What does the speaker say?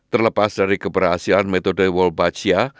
terlepas dari keberhasilan metode worldbachia